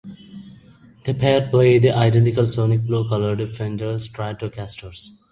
The pair played identical "sonic blue"-coloured Fender Stratocasters.